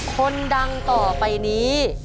คนดังต่อไปนี้